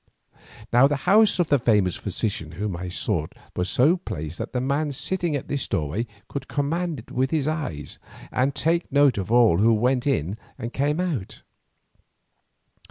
Now the house of the famous physician whom I sought was so placed that the man sitting at this doorway could command it with his eyes and take note of all who went in and came out.